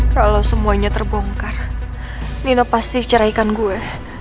kalau semuanya terbongkar nino pasti ceraikan gue